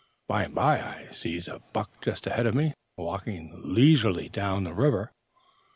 By and by I sees a buck just ahead of me, walking leisurely down the river.